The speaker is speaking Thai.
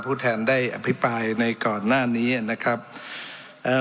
แทนได้อภิปรายในก่อนหน้านี้นะครับเอ่อ